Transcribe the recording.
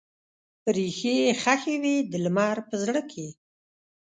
ریښې یې ښخې وي د لمر په زړه کې